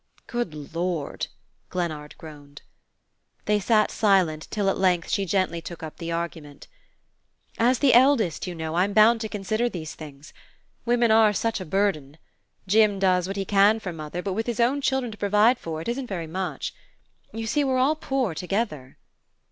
"Good Lord!" Glennard groaned. They sat silent till at length she gently took up the argument. "As the eldest, you know, I'm bound to consider these things. Women are such a burden. Jim does what he can for mother, but with his own children to provide for it isn't very much. You see, we're all poor together."